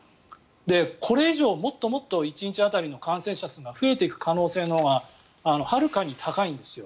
これ以上、もっともっと１日当たりの感染者数が増えていく可能性のほうがはるかに高いんですよ。